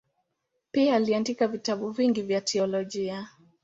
Pia aliandika vitabu vingi vya teolojia.